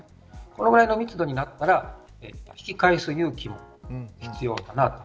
このぐらいの密度になったら引き返す勇気が必要かなと。